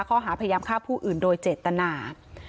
ข้อหาพยายามฆ่าผู้อื่นโดยเจตนา